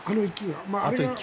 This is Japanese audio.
あの１球。